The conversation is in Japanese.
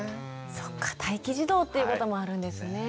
そっか待機児童っていうこともあるんですね。